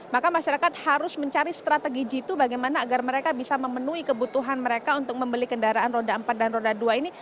maka masyarakat harus mencari strategi jitu bagaimana agar mereka bisa memenuhi kebutuhan mereka untuk membeli kendaraan roda empat dan roda dua ini